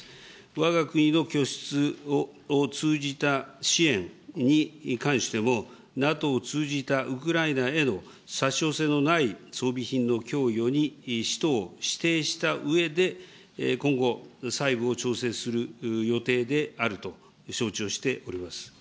わが国の拠出を通じた支援に関しても、ＮＡＴＯを通じたウクライナへの殺傷性のない装備品の供与に使途を指定したうえで、今後、細部を調整する予定であると承知をしております。